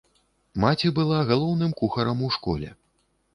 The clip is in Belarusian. Маці была галоўным кухарам у школе.